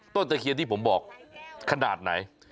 ตะเคียนที่ผมบอกขนาดไหน